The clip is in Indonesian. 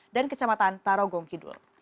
dan kecamatan tarogong kidul